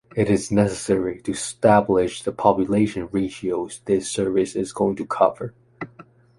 It is necessary to stablish the population ratios this service is going to cover.